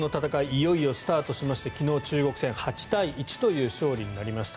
いよいよスタートしまして昨日、中国戦８対１という勝利になりました。